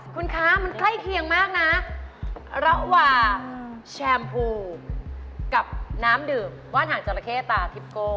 คุณคะมันใกล้เคียงมากนะระหว่างแชมพูกับน้ำดื่มว่านหางจราเข้ตาทิปโก้